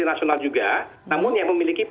nah dengan tahapan itu oke